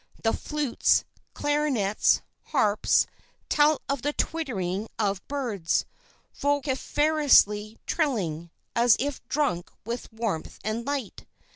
The flutes, clarinets, harps, tell of the twittering of birds, vociferously trilling, as if drunk with warmth and light.